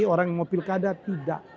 orang mau pilkada tidak